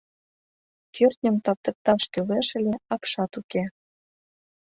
Кӱртньым таптыкташ кӱлеш ыле — апшат уке.